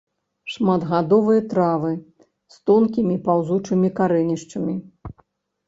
Шматгадовыя травы з тонкімі паўзучымі карэнішчамі.